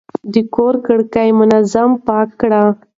د کور کړکۍ منظم پاکې کړئ.